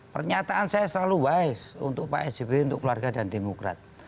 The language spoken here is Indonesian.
pernyataan saya selalu wise untuk pak sby untuk keluarga dan demokrat